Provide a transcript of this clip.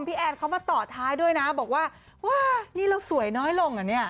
แอนเขามาต่อท้ายด้วยนะบอกว่าว้านี่เราสวยน้อยลงเหรอเนี่ย